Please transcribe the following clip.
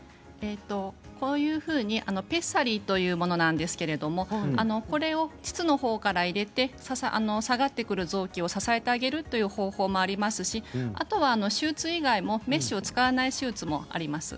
こういうふうにペッサリーというものなんですがこれを膣のほうから入れて下がってくる臓器を支えてあげるという方法もありますしあとは手術以外も、メッシュを使わない手術もあります。